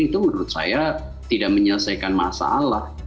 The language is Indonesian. itu menurut saya tidak menyelesaikan masalah